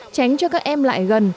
tránh cho các em lại gần